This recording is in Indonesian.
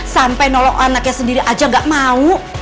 sampai nolong anaknya sendiri aja gak mau